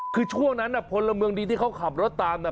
คือช่วงนั้นนะพ้นละเมืองดีก็ขับรถตามนะ